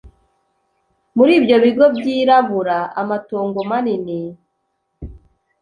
muri ibyo bigo byirabura, amatongo manini